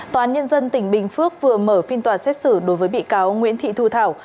tòa án nhân dân tỉnh bình phước vừa mở phiên tòa xét xử đối với bị cáo nguyễn thị thu thảo